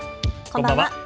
こんばんは。